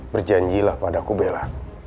berjanjilah pada aku bella